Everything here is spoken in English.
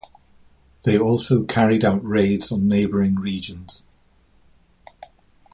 They also carried out raids on neighbouring regions.